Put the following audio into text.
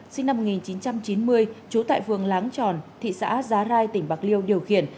sinh năm một nghìn chín trăm chín mươi trú tại phường láng tròn thị xã giá rai tỉnh bạc liêu điều khiển